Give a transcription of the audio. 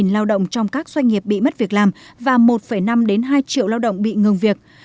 lao động thất nghiệp trong quý ii sẽ tăng mạnh